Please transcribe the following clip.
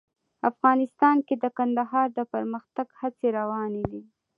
افغانستان کې د کندهار د پرمختګ هڅې روانې دي.